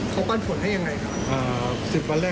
เขาปันผลให้อย่างไรครับ